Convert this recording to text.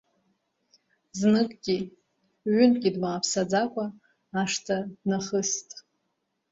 Зныкгьы, ҩынтәгьы дмааԥсаӡакәа, ашҭа днахыст.